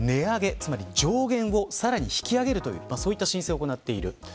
つまり上限をさらに引き上げるといった申請を行っています。